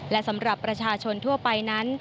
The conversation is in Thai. และสำหรับประชาชนทั่วไปนั้น